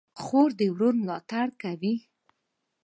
خور د ورور ملاتړ کوي.